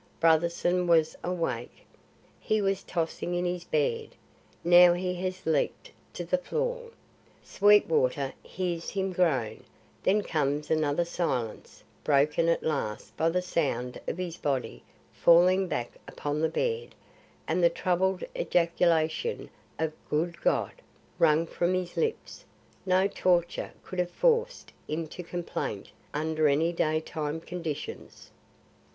Brotherson was awake. He was tossing in his bed. Now he has leaped to the floor. Sweetwater hears him groan, then comes another silence, broken at last by the sound of his body falling back upon the bed and the troubled ejaculation of "Good God!" wrung from lips no torture could have forced into complaint under any daytime conditions.